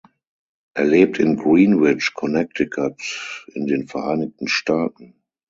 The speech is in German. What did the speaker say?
Er lebt in Greenwich, Connecticut, in den Vereinigten Staaten.